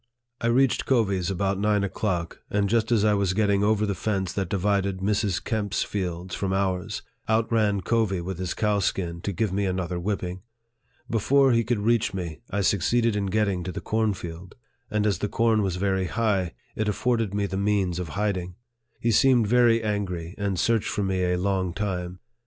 I reached Covey's about nine o'clock ; and just as I was getting over the fence that divided Mrs. Kemp's fields from ours, out ran Covey with his cowskin, to give me another whipping. Before he could reach me, I succeeded in getting to the cornfield ; and as the corn was very high, it afforded me the means of hiding. He seemed very angry, and searched for me a long time.